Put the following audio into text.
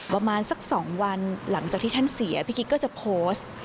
ประมาณสัก๒วันหลังจากที่ท่านเสียพี่กิ๊กก็จะโพสต์